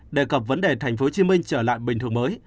đề cập vấn đề thành phố hồ chí minh trở lại bình thường mới